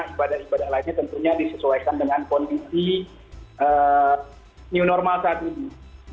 ibadah ibadah lainnya tentunya disesuaikan dengan kondisi new normal saat ini